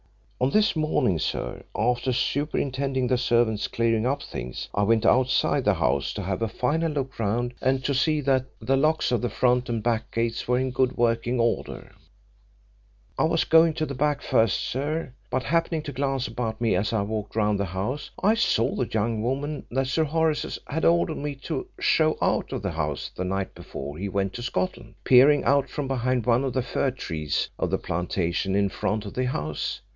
On this morning, sir, after superintending the servants clearing up things, I went outside the house to have a final look round, and to see that the locks of the front and back gates were in good working order. I was going to the back first, sir, but happening to glance about me as I walked round the house, I saw the young woman that Sir Horace had ordered me to show out of the house the night before he went to Scotland, peering out from behind one of the fir trees of the plantation in front of the house.